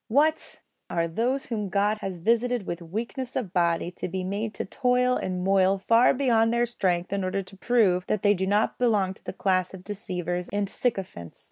What! are those whom God has visited with weakness of body to be made to toil and moil far beyond their strength in order to prove that they do not belong to the class of deceivers and sycophants?